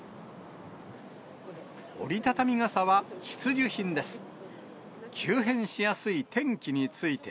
折り畳み傘は必需品です。